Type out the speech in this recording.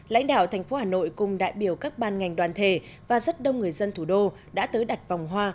lãnh đạo thành phố hà nội cùng đại biểu các ban ngành đoàn thể và rất đông người dân thủ đô đã tới đặt vòng hoa